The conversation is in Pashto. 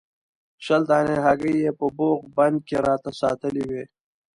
شل دانې هګۍ یې په بوغ بند کې راته ساتلې وې.